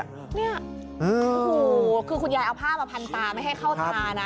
โอ้โหคือคุณยายเอาผ้ามาพันตาไม่ให้เข้าตานะ